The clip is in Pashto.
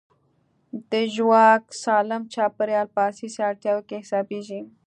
د ژواک سالم چاپېریال په اساسي اړتیاوو کې حسابېږي.